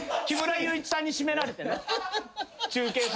木村祐一さんにしめられてね。